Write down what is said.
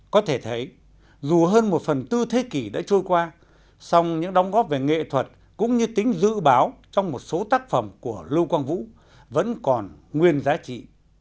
có thể thấy dù hơn một phần tư thế kỷ đã trôi qua song những đóng góp về nghệ thuật cũng như tính dự báo trong một số tác phẩm của lưu quang vũ vẫn còn nguyên giá trị